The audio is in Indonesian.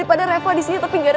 pada saat bayinya